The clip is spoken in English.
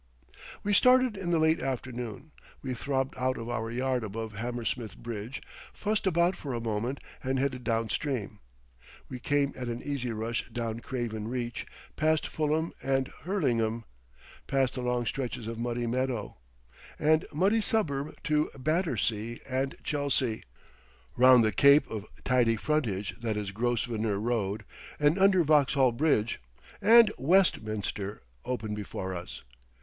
We started in the late afternoon. We throbbed out of our yard above Hammersmith Bridge, fussed about for a moment, and headed down stream. We came at an easy rush down Craven Reach, past Fulham and Hurlingham, past the long stretches of muddy meadow And muddy suburb to Battersea and Chelsea, round the cape of tidy frontage that is Grosvenor Road and under Vauxhall Bridge, and Westminster opened before us.